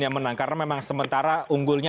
yang menang karena memang sementara unggulnya